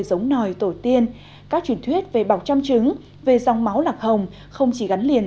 giống nòi tổ tiên các truyền thuyết về bọc chăm trứng về dòng máu lạc hồng không chỉ gắn liền